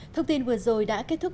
thông tin vừa rồi đã kết thúc